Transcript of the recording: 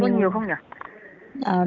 đóng nhiều không nhỉ